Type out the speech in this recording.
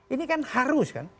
ini kan harus kan